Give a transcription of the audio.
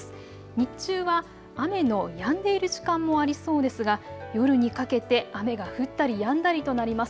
日中は雨のやんでいる時間もありそうですが、夜にかけて雨が降ったりやんだりとなります。